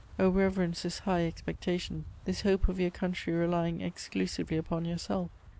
O reverence this high expectation, this hope of your country relying exclusively upon yourself!